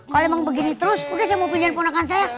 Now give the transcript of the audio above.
kalau emang begini terus udah saya mau pilihan ponakan saya